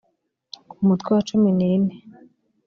umutwe wa cumi n ine